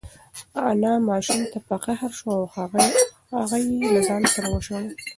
انا ماشوم ته په قهر شوه او هغه یې له ځانه وشړل.